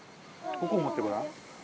ここを持ってごらん。